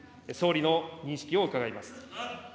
総理の認識を伺います。